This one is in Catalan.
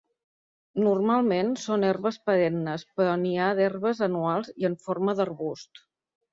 Normalment són herbes perennes però n'hi ha d'herbes anuals i en forma d'arbust.